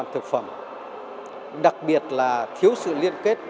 thực phẩm đặc biệt là thiếu sự liên kết